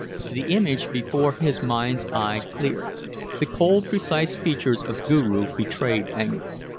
The image before his mind's eye cleared. The cold, precise features of Guru betrayed anger.